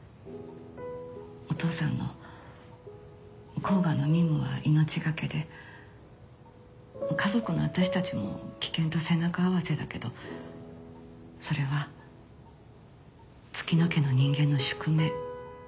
「お父さんの甲賀の任務は命懸けで家族の私たちも危険と背中合わせだけどそれは月乃家の人間の宿命」